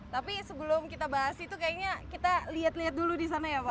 tapi sebelum kita bahas itu kayaknya kita lihat lihat dulu di sana ya pak